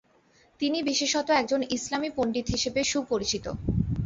তিনি বিশেষত একজন ইসলামি পণ্ডিত হিসেবে সুপরিচিত ।